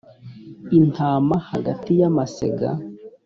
intama hagati y amasega